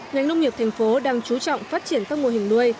ngành nông nghiệp thành phố đang chú trọng phát triển các mô hình nuôi